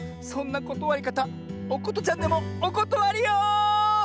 そんなことわりかたおことちゃんでもおことわりよ。